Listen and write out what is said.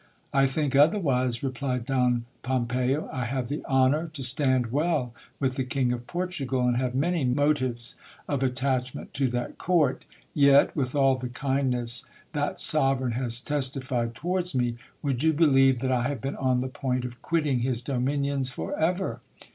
I think otherwise, replied Don Pompeyo, I have the honour to stand well with the King of Portugal, and have many mo tives of attachment to that court ; yet with all the kindness that sovereign has testified towards me, would you believe that I have been on the point of quitting his dominions for ever.